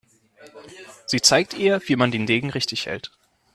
Sie zeigt ihr, wie man den Degen richtig hält.